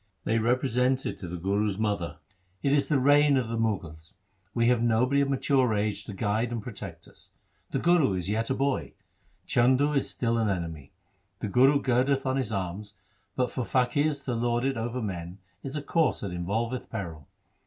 They represented to the Guru's mother, ' It is the reign of the Mughals. We have nobody of mature age to guide and protect us. The Guru is yet a boy. Chandu is still an enemy. The Guru girdeth on his arms, but for faqirs to lord it over men is a course that involveth peril.